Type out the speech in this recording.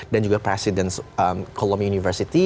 dan juga presiden columbia university